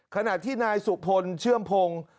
ขณะที่นายสุพลเชื่อมพงศ์